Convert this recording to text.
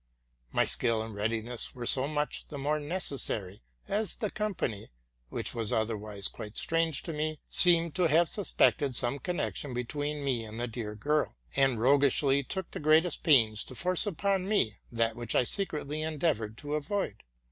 My skill and readiness were so much the more necessary, as the company, which was otherwise quite strange to me, seemed to have suspected some connection between me and the dear girl, and roguishly took the greatest pains to force upon me that which I secretly endeavored to avoid.